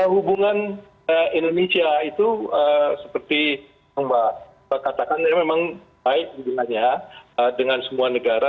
hubungan indonesia itu seperti yang mbak katakan memang baik hubungannya dengan semua negara